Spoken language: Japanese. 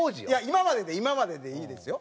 今までで今まででいいですよ。